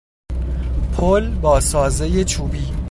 پل با سازهی چوبی